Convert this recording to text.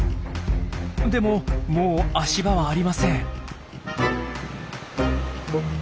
でももう足場はありません。